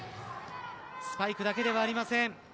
スパイクだけではありません。